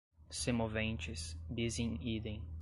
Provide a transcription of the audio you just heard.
semoventes, bis in idem